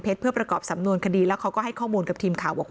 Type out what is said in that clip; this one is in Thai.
เพื่อประกอบสำนวนคดีแล้วเขาก็ให้ข้อมูลกับทีมข่าวบอก